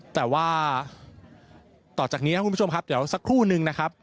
แต่ว่าต่อจากนี้ครับคุณผู้ชมครับเดี๋ยวสักครู่นึงนะครับ